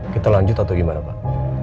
kita lanjut atau gimana pak